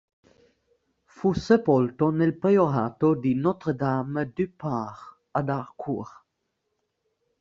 Fu sepolto nel priorato di Notre-Dame du Parc ad Harcourt.